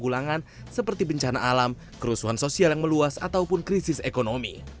hukuman mati adalah perusahaan yang bergantung kepada kehidupan alam kerusuhan sosial yang meluas ataupun krisis ekonomi